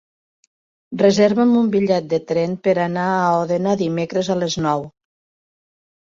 Reserva'm un bitllet de tren per anar a Òdena dimecres a les nou.